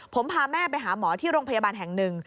ผมพาแม่ไปหาหมอที่โรงพยาบาลแห่งหนึ่ง